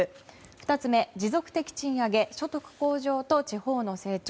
２つ目、持続的賃上げ所得向上と地方の成長。